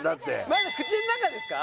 まだ口の中ですか？